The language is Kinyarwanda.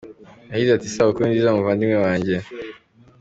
Yagize ati “Isabukuru nziza muvandimwe wanjye.